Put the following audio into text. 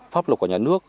pháp luật của nhà nước